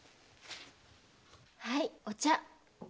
はいお茶。